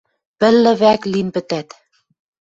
Пӹл лӹвӓк лин пӹтӓт